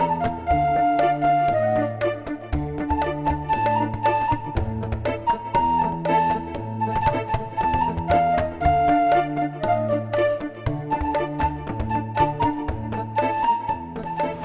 agh rudraku adalah yang mikir uing ini